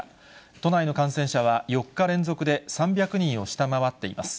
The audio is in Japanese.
都内の感染者は、４日連続で３００人を下回っています。